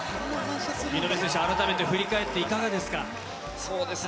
見延選手、改めて振り返っていかがですか。